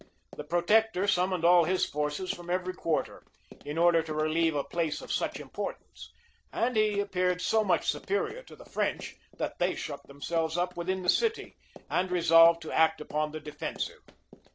The protector summoned all his forces from every quarter, in order to relieve a place of such importance; and he appeared so much superior to the French, that they shut themselves up within the city, and resolved to act upon the defensive.